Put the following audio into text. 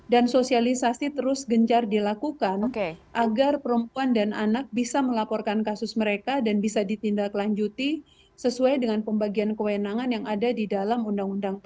dan sosialisasi terus gencar dilakukan agar perempuan dan anak bisa melaporkan kasus mereka dan bisa ditindaklanjuti sesuai dengan pembagian kewenangan yang ada di dalam undang undang pemda